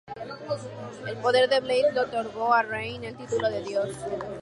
El poder de Blaze le otorgo a Rain el título de Dios.